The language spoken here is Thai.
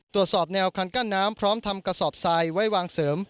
ตรวจสอบแนวคันกั้นน้ำพร้อมทำกระสอบทรายไว้วางเสริม